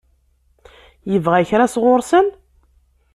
Yebɣa kra sɣur-sen?